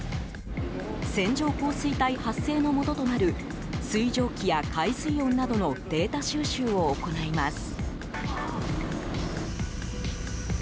線状降水帯発生のもととなる水蒸気や海水温などのデータ収集を行います。